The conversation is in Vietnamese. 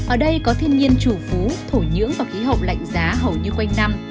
ở đây có thiên nhiên chủ phú thổ nhưỡng và khí hậu lạnh giá hầu như quanh năm